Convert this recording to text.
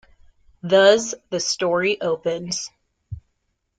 Thus, the story opens.